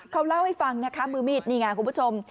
เขาเล่าให้ฟังนะคะมือมีดนี่ไงคุณผู้ชม